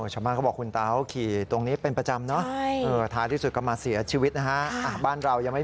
ชาวมาก็บอกคุณเต๋าขี่ตรงนี้เป็นประจำเนอะ